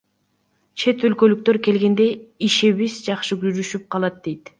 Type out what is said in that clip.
Чет өлкөлүктөр келгенде ишибиз жакшы жүрүшүп калат, — дейт уста.